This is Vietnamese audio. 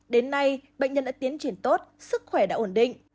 đến nay bệnh nhân đã tiến triển tốt sức khỏe đã ổn định